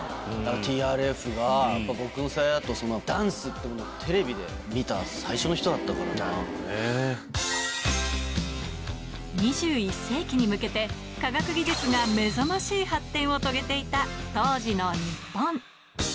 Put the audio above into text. ＴＲＦがやっぱ僕の世代だとダンスっていうものをテレビで見た最２１世紀に向けて、科学技術が目覚ましい発展を遂げていた当時の日本。